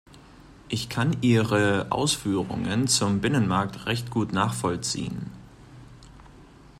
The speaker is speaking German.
Ich kann Ihre Ausführungen zum Binnenmarkt recht gut nachvollziehen.